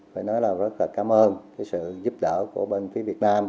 phải nói là rất là cảm ơn sự giúp đỡ của bên phía việt nam